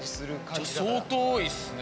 じゃあ、相当多いっすね。